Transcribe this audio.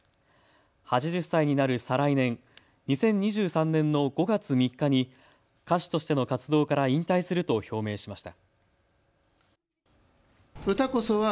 ８０歳になる再来年、２０２３年の５月３日に歌手としての活動から引退すると表明しました。